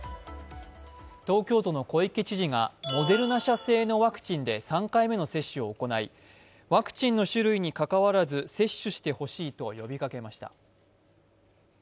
東京都の小池知事がモデルナ社製のワクチンで３回目の接種を行いワクチンの種類にかかわらず接種してほしいと呼びかけました。